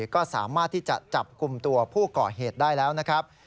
ก็สามารถที่จะจับกลุ่มตัวผู้ก่อเหตุได้แล้วนะครับ